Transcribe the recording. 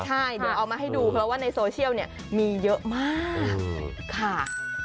ใช่เดี๋ยวเอามาให้ดูเพราะว่าในโซเชียลเนี่ยมีเยอะมากค่ะ